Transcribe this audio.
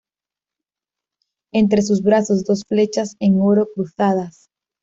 Entre sus brazos dos flechas en oro cruzadas.